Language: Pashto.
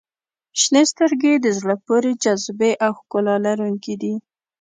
• شنې سترګې د زړه پورې جاذبې او ښکلا لرونکي دي.